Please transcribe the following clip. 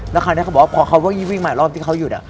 แล้วคราวนี้เขาบอกว่าพอเขาวิ่งมารอบที่เขาหยุด